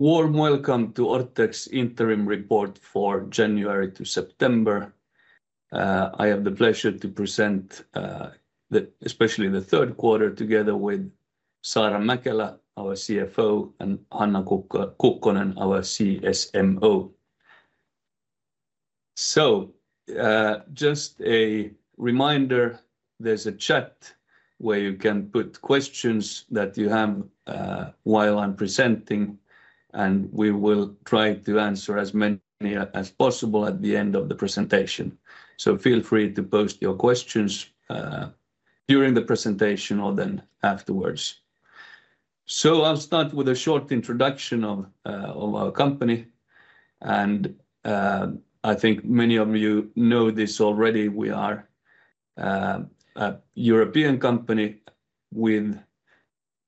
Warm welcome to Orthex Interim Report for January to September. I have the pleasure to present, especially the third quarter, together with Saara Mäkelä, our CFO, and Hanna Kukkonen, our CSMO. Just a reminder, there's a chat where you can put questions that you have while I'm presenting, and we will try to answer as many as possible at the end of the presentation. Feel free to post your questions during the presentation or then afterwards. I'll start with a short introduction of our company. I think many of you know this already. We are a European company with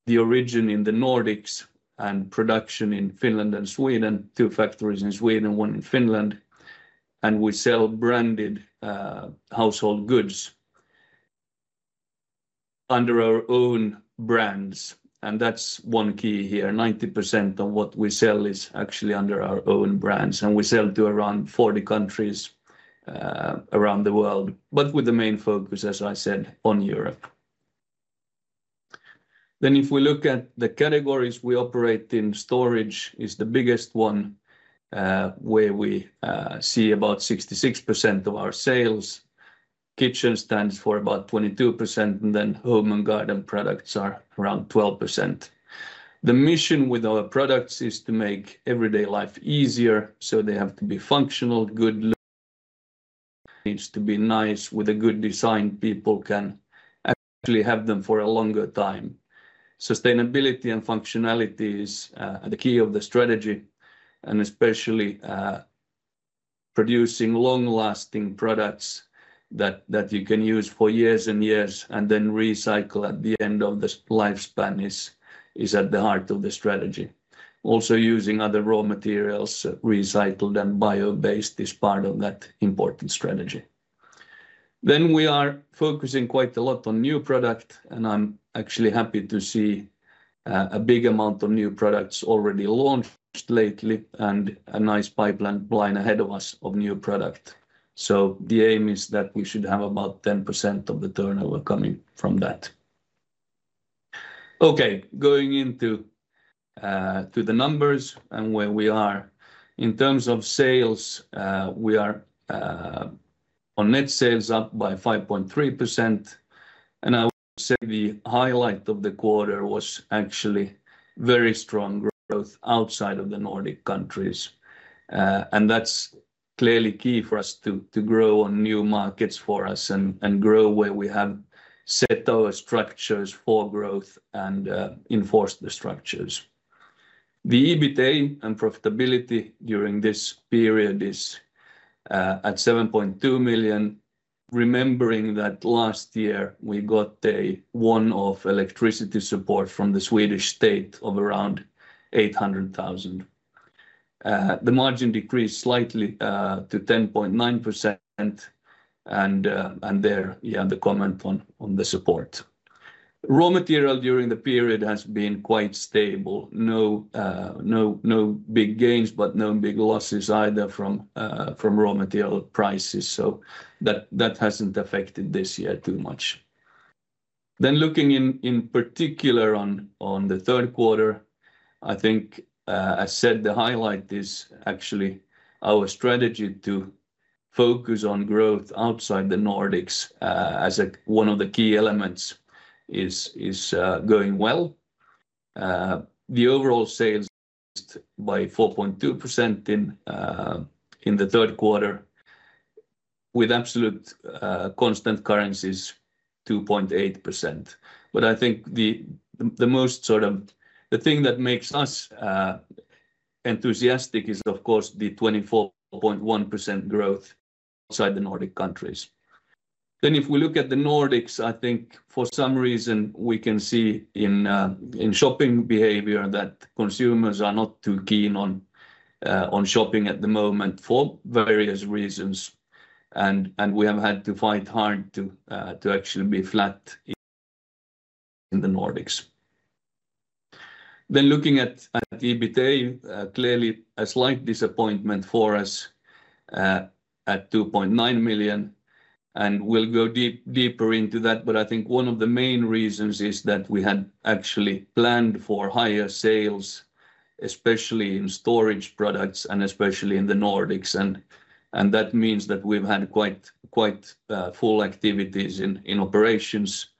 the origin in the Nordics and production in Finland and Sweden, two factories in Sweden, one in Finland. We sell branded household goods under our own brands. That's one key here. 90% of what we sell is actually under our own brands. And we sell to around 40 countries around the world, but with the main focus, as I said, on Europe. Then if we look at the categories, we operate in storage is the biggest one, where we see about 66% of our sales. Kitchen stands for about 22%, and then home and garden products are around 12%. The mission with our products is to make everyday life easier, so they have to be functional, good. Needs to be nice with a good design. People can actually have them for a longer time. Sustainability and functionality is the key of the strategy, and especially producing long-lasting products that you can use for years and years and then recycle at the end of the lifespan is at the heart of the strategy. Also using other raw materials, recycled and bio-based, is part of that important strategy. Then we are focusing quite a lot on new product, and I'm actually happy to see a big amount of new products already launched lately and a nice pipeline ahead of us of new product. So the aim is that we should have about 10% of the turnover coming from that. Okay, going into the numbers and where we are. In terms of sales, we are on net sales up by 5.3%. And I would say the highlight of the quarter was actually very strong growth outside of the Nordic countries. And that's clearly key for us to grow on new markets for us and grow where we have set our structures for growth and enforce the structures. The EBITDA and profitability during this period is at 7.2 million, remembering that last year we got one-off electricity support from the Swedish state of around 800,000. The margin decreased slightly to 10.9%, and there you have the comment on the support. Raw material during the period has been quite stable. No big gains, but no big losses either from raw material prices. So that hasn't affected this year too much. Then looking in particular on the third quarter, I think, as said, the highlight is actually our strategy to focus on growth outside the Nordics as one of the key elements is going well. The overall sales increased by 4.2% in the third quarter, with absolute constant currencies 2.8%. But I think the most sort of the thing that makes us enthusiastic is, of course, the 24.1% growth outside the Nordic countries. Then if we look at the Nordics, I think for some reason we can see in shopping behavior that consumers are not too keen on shopping at the moment for various reasons. We have had to fight hard to actually be flat in the Nordics. Then, looking at EBITDA, clearly a slight disappointment for us at 2.9 million. And we'll go deeper into that, but I think one of the main reasons is that we had actually planned for higher sales, especially in storage products and especially in the Nordics. And that means that we've had quite full activities in operations.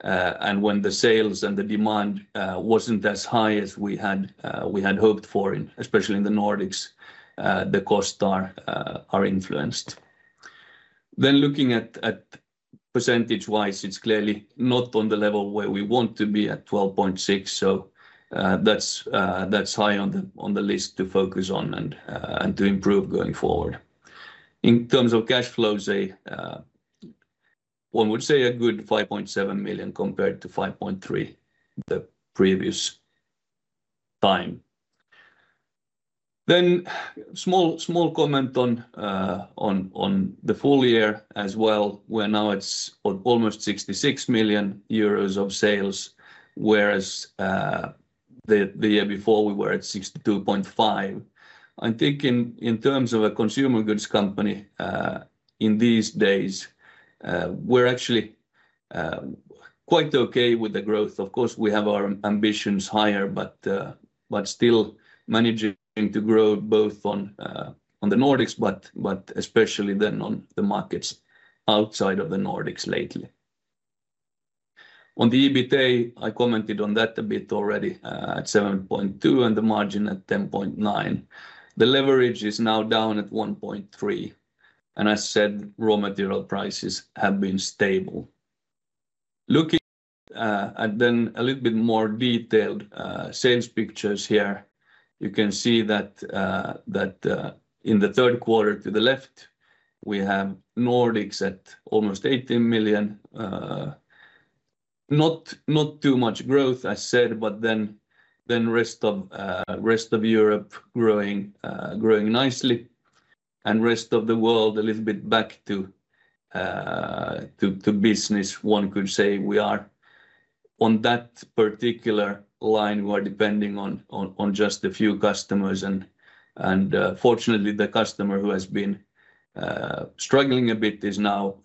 And when the sales and the demand wasn't as high as we had hoped for, especially in the Nordics, the costs are influenced. Then, looking at percentage-wise, it's clearly not on the level where we want to be at 12.6%. So that's high on the list to focus on and to improve going forward. In terms of cash flows, one would say a good 5.7 million compared to 5.3 million the previous time. Then, small comment on the full year as well, where now it's almost 66 million euros of sales, whereas the year before we were at 62.5 million. I think in terms of a consumer goods company in these days, we're actually quite okay with the growth. Of course, we have our ambitions higher, but still managing to grow both on the Nordics, but especially then on the markets outside of the Nordics lately. On the EBITDA, I commented on that a bit already at 7.2 and the margin at 10.9%. The leverage is now down at 1.3. And as said, raw material prices have been stable. Looking at then a little bit more detailed sales pictures here, you can see that in the third quarter to the left, we have Nordics at almost 18 million. Not too much growth, as said, but then rest of Europe growing nicely. And rest of the world a little bit back to business, one could say. On that particular line, we are depending on just a few customers. And fortunately, the customer who has been struggling a bit is now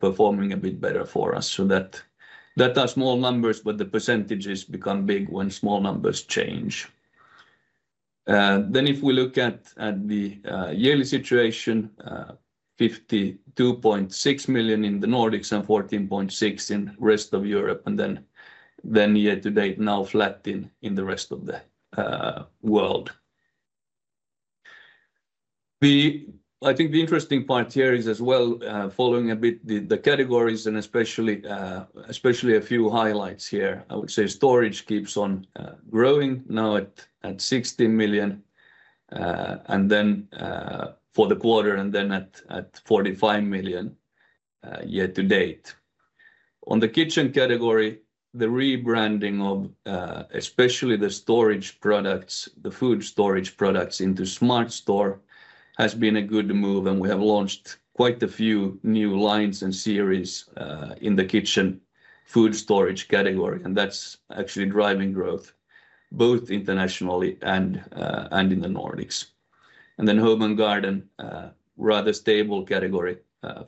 performing a bit better for us. So that are small numbers, but the percentages become big when small numbers change. Then if we look at the yearly situation, 52.6 million in the Nordics and 14.6 million in the rest of Europe. And then year to date now flat in the rest of the world. I think the interesting part here is as well following a bit the categories and especially a few highlights here. I would say storage keeps on growing now at 16 million for the quarter and then at 45 million year to date. On the kitchen category, the rebranding of especially the storage products, the food storage products into SmartStore has been a good move, and we have launched quite a few new lines and series in the kitchen food storage category. And that's actually driving growth both internationally and in the Nordics, and then home and garden, rather stable category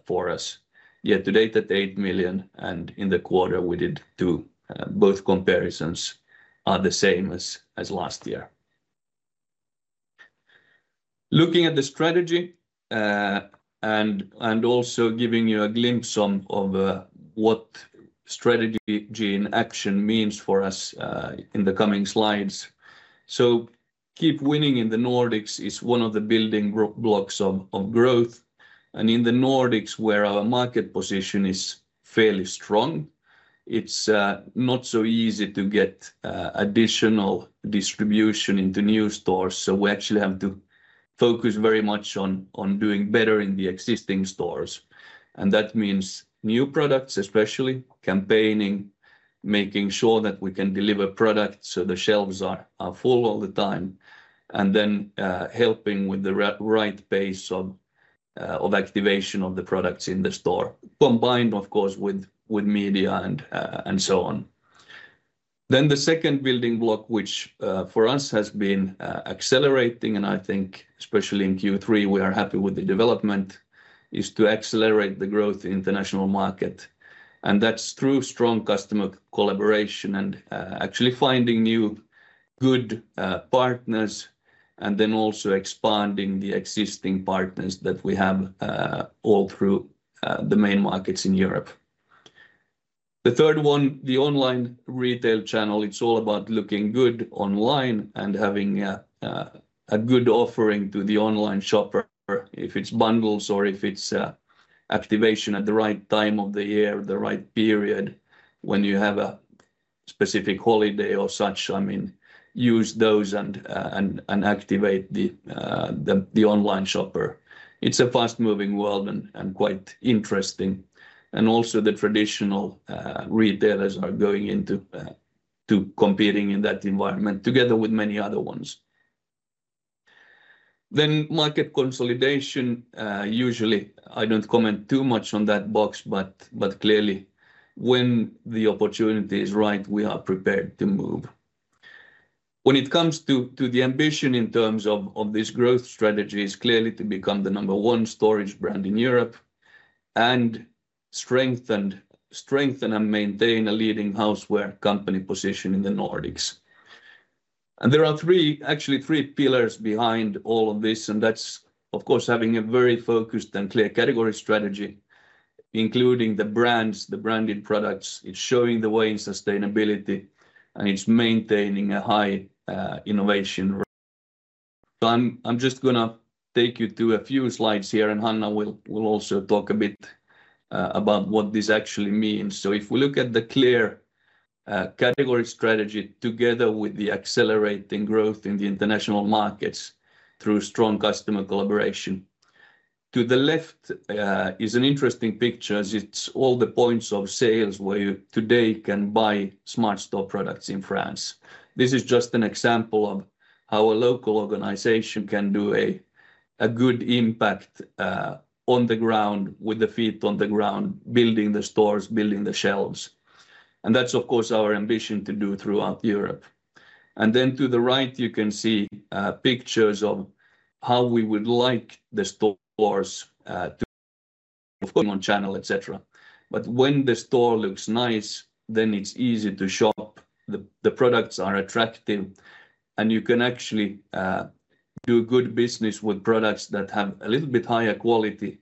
for us. Year to date at eight million, and in the quarter we did two million. Both comparisons are the same as last year. Looking at the strategy and also giving you a glimpse of what strategy in action means for us in the coming slides, so keep winning in the Nordics is one of the building blocks of growth, and in the Nordics, where our market position is fairly strong, it's not so easy to get additional distribution into new stores. So we actually have to focus very much on doing better in the existing stores. And that means new products, especially campaigning, making sure that we can deliver products so the shelves are full all the time. And then helping with the right pace of activation of the products in the store, combined of course with media and so on. Then the second building block, which for us has been accelerating, and I think especially in Q3 we are happy with the development, is to accelerate the growth in the international market. And that's through strong customer collaboration and actually finding new good partners. And then also expanding the existing partners that we have all through the main markets in Europe. The third one, the online retail channel, it's all about looking good online and having a good offering to the online shopper. If it's bundles or if it's activation at the right time of the year, the right period, when you have a specific holiday or such, I mean, use those and activate the online shopper. It's a fast-moving world and quite interesting, and also the traditional retailers are going into competing in that environment together with many other ones, then market consolidation. Usually I don't comment too much on that box, but clearly when the opportunity is right, we are prepared to move. When it comes to the ambition in terms of this growth strategy, it's clearly to become the number one storage brand in Europe and strengthen and maintain a leading houseware company position in the Nordics, and there are actually three pillars behind all of this, and that's of course having a very focused and clear category strategy, including the brands, the branded products. It's showing the way in sustainability and it's maintaining a high innovation. So I'm just going to take you to a few slides here, and Hanna will also talk a bit about what this actually means. So if we look at the clear category strategy together with the accelerating growth in the international markets through strong customer collaboration, to the left is an interesting picture. It's all the points of sales where you today can buy SmartStore products in France. This is just an example of how a local organization can do a good impact on the ground with the feet on the ground, building the stores, building the shelves. And that's of course our ambition to do throughout Europe. And then to the right, you can see pictures of how we would like the stores to look on channel, etc. When the store looks nice, then it's easy to shop. The products are attractive, and you can actually do good business with products that have a little bit higher quality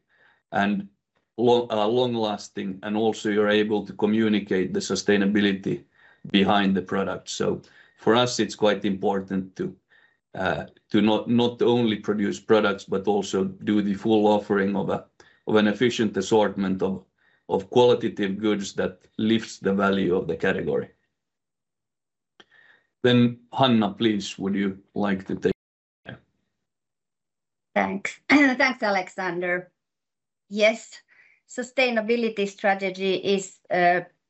and are long-lasting. Also you're able to communicate the sustainability behind the product. For us, it's quite important to not only produce products, but also do the full offering of an efficient assortment of qualitative goods that lifts the value of the category. Hanna, please, would you like to take? Thanks. Thanks, Alexander. Yes, sustainability strategy is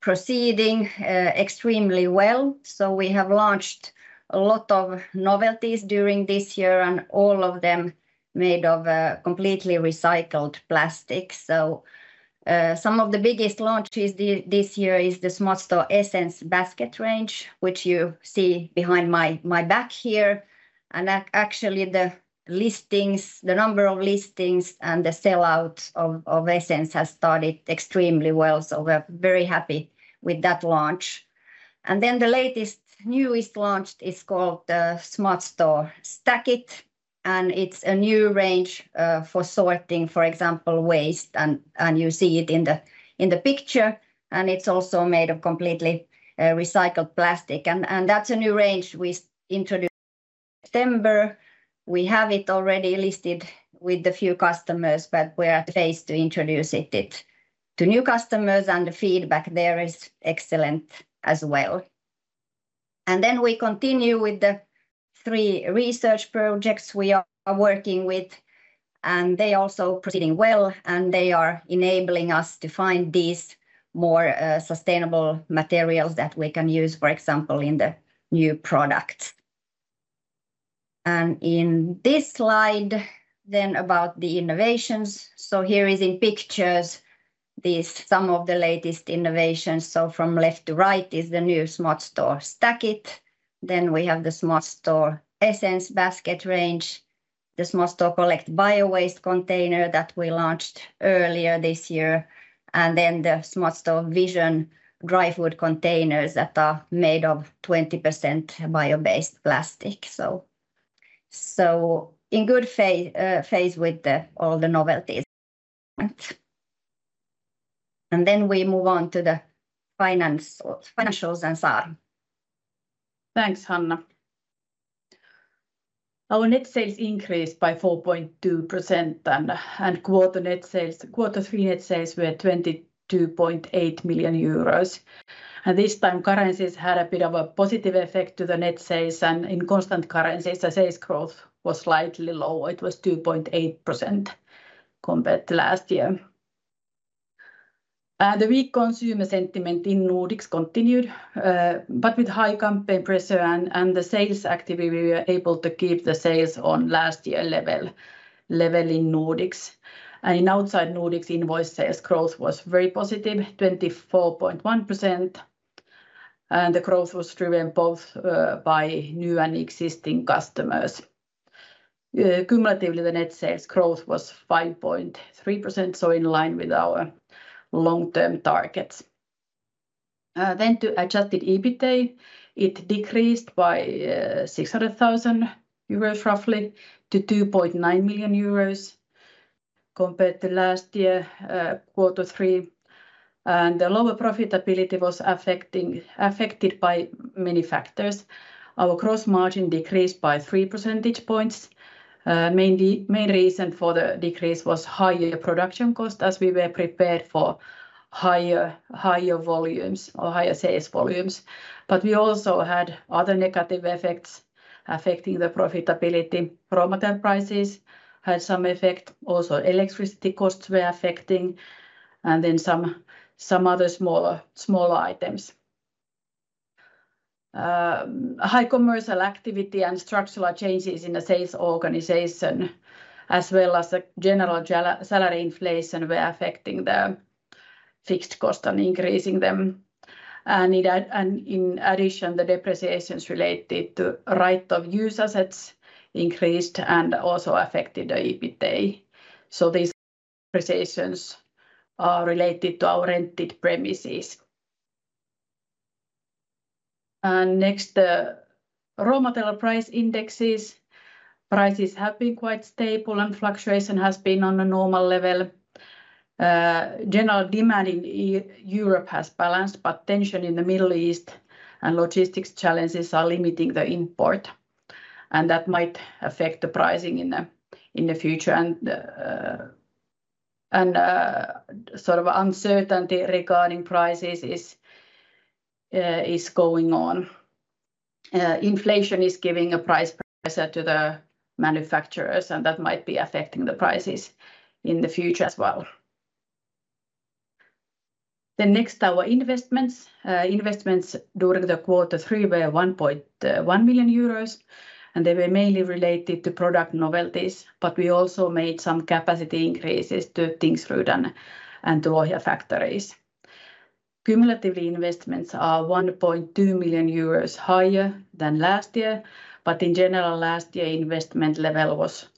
proceeding extremely well. We have launched a lot of novelties during this year, and all of them made of completely recycled plastics. Some of the biggest launches this year is the SmartStore Essence basket range, which you see behind my back here. And actually the number of listings and the sellout of Essence has started extremely well. So we're very happy with that launch. And then the latest newest launched is called the SmartStore Stack. And it's a new range for sorting, for example, waste. And you see it in the picture. And it's also made of completely recycled plastic. And that's a new range we introduced in September. We have it already listed with a few customers, but we are pleased to introduce it to new customers. And the feedback there is excellent as well. And then we continue with the three research projects we are working with. And they are also proceeding well. And they are enabling us to find these more sustainable materials that we can use, for example, in the new products. And in this slide then about the innovations. So, here is, in pictures, some of the latest innovations. So, from left to right, is the new SmartStore Stack It. Then we have the SmartStore Essence basket range, the SmartStore Collect biowaste container that we launched earlier this year, and then the SmartStore Vision dry food containers that are made of 20% bio-based plastic. So, in good phase with all the novelties, and then we move on to the financials and Saara. Thanks, Hanna. Our net sales increased by 4.2%, and quarter 3 net sales were 22.8 million euros. And this time currencies had a bit of a positive effect to the net sales, and in constant currencies, the sales growth was slightly lower. It was 2.8% compared to last year. The weak consumer sentiment in Nordics continued, but with high campaign pressure and the sales activity, we were able to keep the sales on last year level in Nordics. Outside Nordics, invoice sales growth was very positive, 24.1%. The growth was driven both by new and existing customers. Cumulatively, the net sales growth was 5.3%, so in line with our long-term targets. Then to Adjusted EBITDA, it decreased by 600,000 euros roughly to 2.9 million euros compared to last year, quarter 3. The lower profitability was affected by many factors. Our gross margin decreased by 3 percentage points. Main reason for the decrease was higher production costs as we were prepared for higher volumes or higher sales volumes. We also had other negative effects affecting the profitability. Polymer prices had some effect. Also electricity costs were affecting. Then some other smaller items. High commercial activity and structural changes in the sales organization, as well as general salary inflation, were affecting the fixed costs and increasing them, and in addition, the depreciations related to right of use assets increased and also affected the EBITDA, so these depreciations are related to our rented premises, and next, the raw material price indexes. Prices have been quite stable and fluctuation has been on a normal level. General demand in Europe has balanced, but tension in the Middle East and logistics challenges are limiting the import, and that might affect the pricing in the future, and sort of uncertainty regarding prices is going on. Inflation is giving a price pressure to the manufacturers, and that might be affecting the prices in the future as well, then next, our investments. Investments during quarter 3 were 1.1 million euros, and they were mainly related to product novelties, but we also made some capacity increases to Tingsryd and to Lohja factories. Cumulatively, investments are 1.2 million euros higher than last year, but in general, last year's investment level was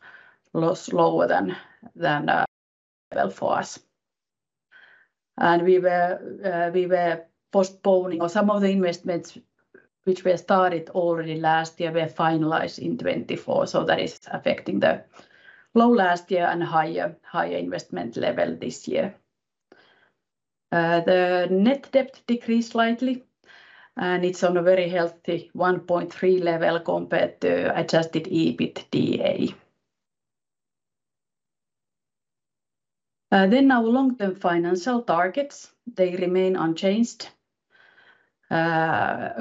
lower than for us. And we were postponing some of the investments which were started already last year were finalized in 2024. So that is affecting the low last year and higher investment level this year. The net debt decreased slightly, and it's on a very healthy 1.3 level compared to adjusted EBITDA. Then our long-term financial targets, they remain unchanged.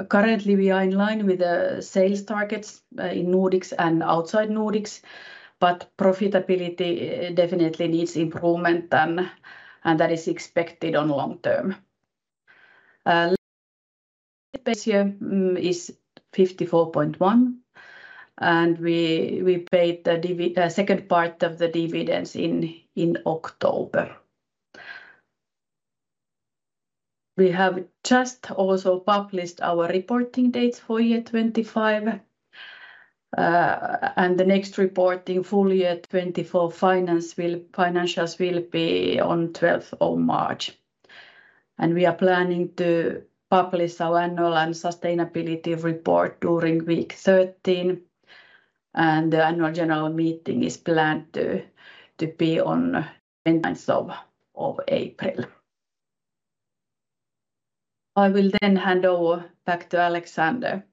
Currently, we are in line with the sales targets in Nordics and outside Nordics, but profitability definitely needs improvement, and that is expected on long term. The equity ratio is 54.1, and we paid the second part of the dividends in October. We have just also published our reporting dates for year 2025, and the next reporting, full year 2024, financials will be on 12th of March. And we are planning to publish our annual and sustainability report during week 13, and the annual general meeting is planned to be on 29th of April. I will then hand over back to Alexander.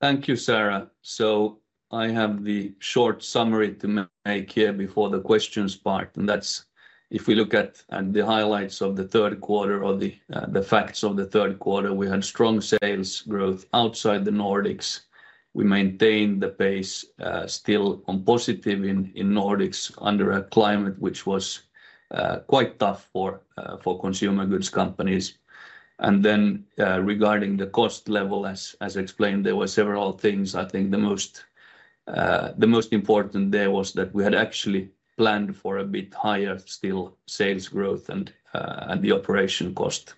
Thank you, Saara. So I have the short summary to make here before the questions part. And that's if we look at the highlights of the third quarter or the facts of the third quarter, we had strong sales growth outside the Nordics. We maintained the pace still on positive in Nordics under a climate which was quite tough for consumer goods companies. And then regarding the cost level, as explained, there were several things. I think the most important there was that we had actually planned for a bit higher still sales growth, and the operating cost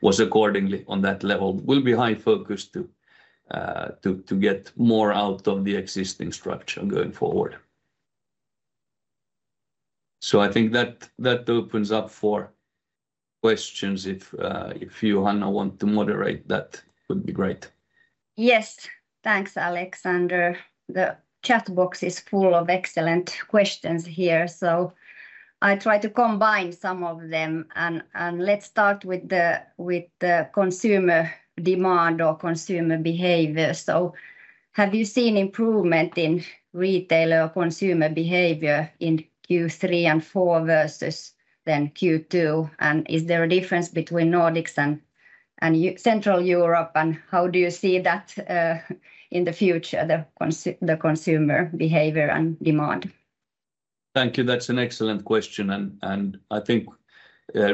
was accordingly on that level. We'll be highly focused to get more out of the existing structure going forward. So I think that opens up for questions. If you, Hanna, want to moderate that, it would be great. Yes, thanks, Alexander. The chat box is full of excellent questions here, so I try to combine some of them. And let's start with the consumer demand or consumer behavior. So have you seen improvement in retailer or consumer behavior in Q3 and Q4 versus in Q2? And is there a difference between Nordics and Central Europe? And how do you see that in the future, the consumer behavior and demand? Thank you. That's an excellent question. I think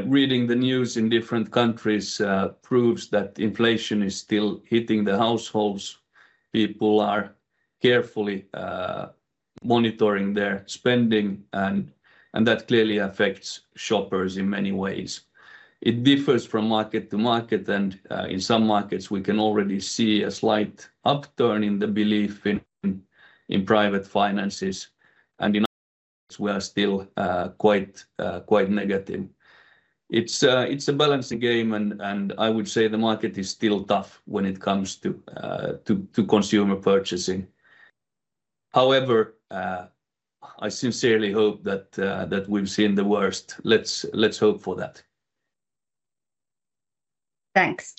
reading the news in different countries proves that inflation is still hitting the households. People are carefully monitoring their spending, and that clearly affects shoppers in many ways. It differs from market to market, and in some markets, we can already see a slight upturn in the belief in private finances. In other markets, we are still quite negative. It's a balancing game, and I would say the market is still tough when it comes to consumer purchasing. However, I sincerely hope that we've seen the worst. Let's hope for that. Thanks.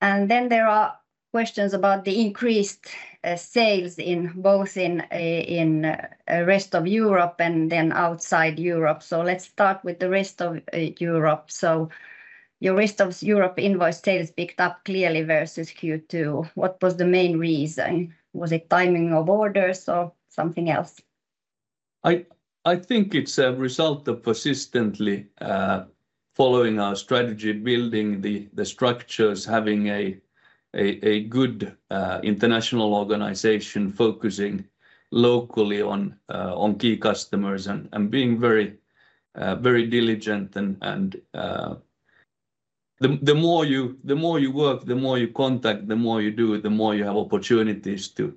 There are questions about the increased sales both in the rest of Europe and then outside Europe. Let's start with the rest of Europe. Your rest of Europe invoice sales picked up clearly versus Q2. What was the main reason? Was it timing of orders or something else? I think it's a result of persistently following our strategy, building the structures, having a good international organization focusing locally on key customers and being very diligent. And the more you work, the more you contact, the more you do, the more you have opportunities to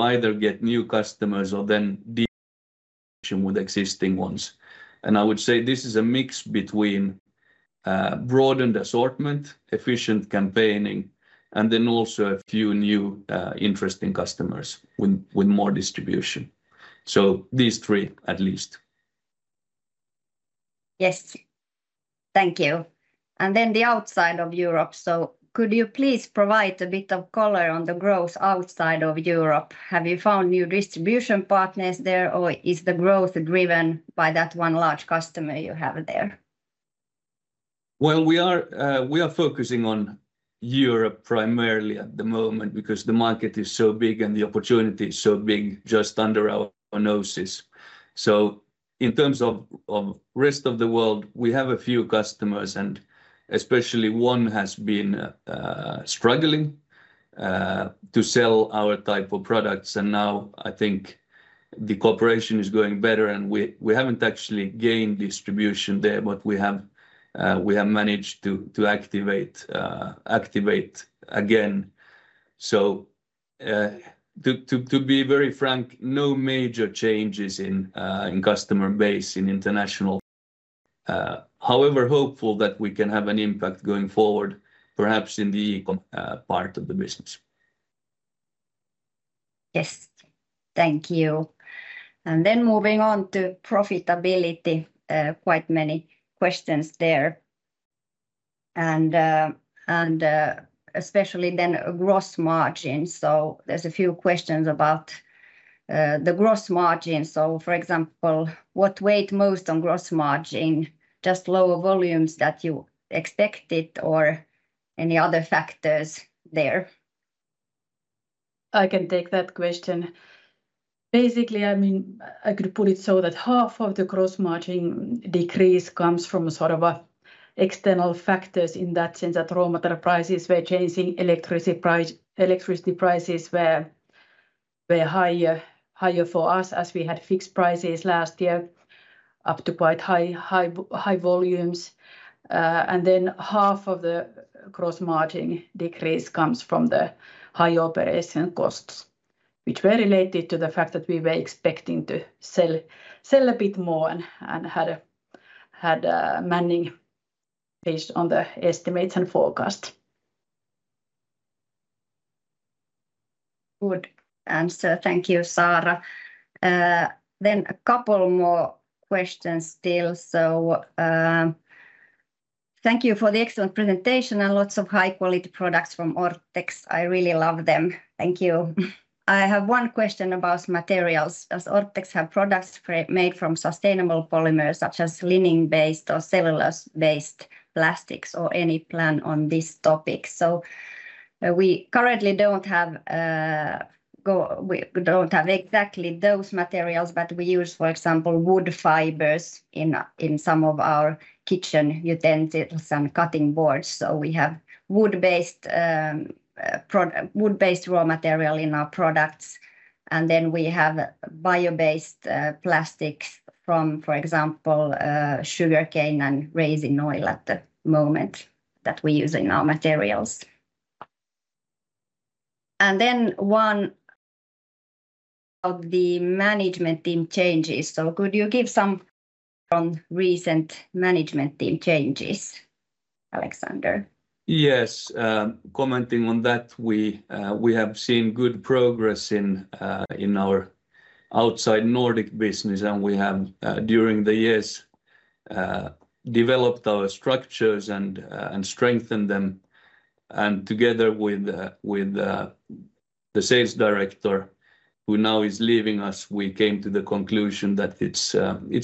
either get new customers or then deal with existing ones. And I would say this is a mix between broadened assortment, efficient campaigning, and then also a few new interesting customers with more distribution. So these three, at least. Yes. Thank you. And then the outside of Europe. So could you please provide a bit of color on the growth outside of Europe? Have you found new distribution partners there, or is the growth driven by that one large customer you have there? Well, we are focusing on Europe primarily at the moment because the market is so big and the opportunity is so big just under our noses. So in terms of rest of the world, we have a few customers, and especially one has been struggling to sell our type of products. And now I think the cooperation is going better, and we haven't actually gained distribution there, but we have managed to activate again. So to be very frank, no major changes in customer base in international. However, hopeful that we can have an impact going forward, perhaps in the e-com part of the business. Yes. Thank you. And then moving on to profitability, quite many questions there. And especially then gross margin. So there's a few questions about the gross margin. So for example, what weighed most on gross margin? Just lower volumes than you expected or any other factors there? I can take that question. Basically, I mean, I could put it so that half of the gross margin decrease comes from sort of external factors in that sense that raw material prices were changing, electricity prices were higher for us as we had fixed prices last year, up to quite high volumes, and then half of the gross margin decrease comes from the high operation costs, which were related to the fact that we were expecting to sell a bit more and had a manning based on the estimates and forecast. Good answer. Thank you, Saara, then a couple more questions still, so thank you for the excellent presentation and lots of high-quality products from Orthex. I really love them. Thank you. I have one question about materials. Does Orthex have products made from sustainable polymers such as lignin-based or cellulose-based plastics, or any plan on this topic? So we currently don't have exactly those materials, but we use, for example, wood fibers in some of our kitchen utensils and cutting boards. So we have wood-based raw material in our products. And then we have bio-based plastics from, for example, sugarcane and tall oil at the moment that we use in our materials. And then one of the management team changes. So could you give some on recent management team changes, Alexander? Yes. Commenting on that, we have seen good progress in our outside Nordic business, and we have, during the years, developed our structures and strengthened them. Together with the sales director, who now is leaving us, we came to the conclusion that it's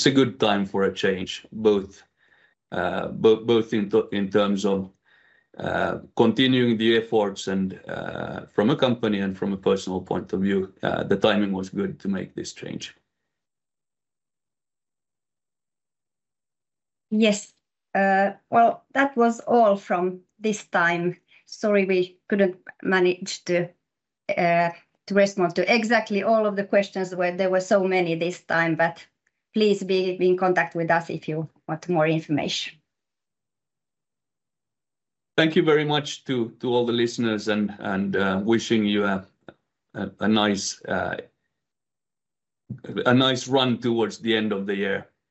a good time for a change, both in terms of continuing the efforts from a company and from a personal point of view. The timing was good to make this change. Yes. That was all from this time. Sorry, we couldn't manage to respond to exactly all of the questions. There were so many this time, but please be in contact with us if you want more information. Thank you very much to all the listeners and wishing you a nice run towards the end of the year.